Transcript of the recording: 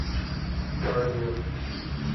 گاڑیوں